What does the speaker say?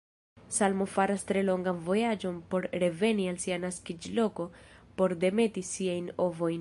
Salmo faras tre longan vojaĝon por reveni al sia naskiĝloko por demeti siajn ovojn.